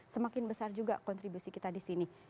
semakin besar juga kontribusi kita di sini